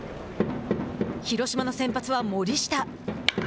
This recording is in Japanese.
広島の先発は森下。